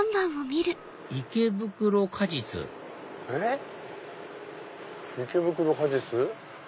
「池袋果実」池袋果実？